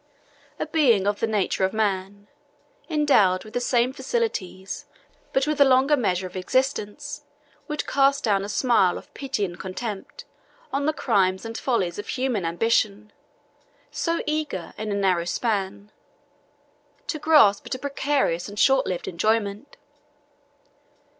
A being of the nature of man, endowed with the same faculties, but with a longer measure of existence, would cast down a smile of pity and contempt on the crimes and follies of human ambition, so eager, in a narrow span, to grasp at a precarious and shortlived enjoyment.